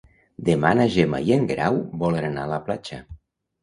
Demà na Gemma i en Guerau volen anar a la platja.